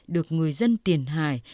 được người dân tiền hải